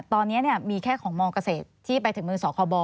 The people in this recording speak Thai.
ตอนนี้มีแค่ของมเกษตรที่ไปถึงมือสคบ